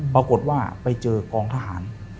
ปรากฏว่าไปเจอกองทหาร